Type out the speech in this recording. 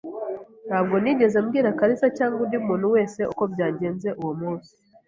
Ntabwo nigeze mbwira kalisa cyangwa undi muntu wese uko byagenze uwo munsi.